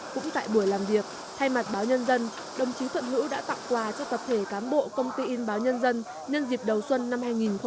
cũng tại buổi làm việc thay mặt báo nhân dân đồng chí thuận hữu đã tặng quà cho tập thể cán bộ công ty in báo nhân dân nhân dịp đầu xuân năm hai nghìn một mươi chín